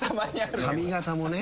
髪形もね